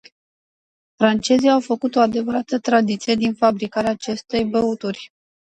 Francezii au făcut o adevărată tradiție din fabricarea acestei băuturi.